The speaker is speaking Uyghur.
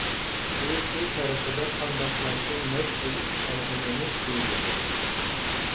ئۇ شۇ تەرىقىدە قانداقلارچە مەست بولۇپ قالغىنىنى تۇيمىدى.